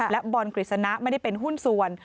และบอลกฤษณะไม่ได้เป็นหุ้นส่วน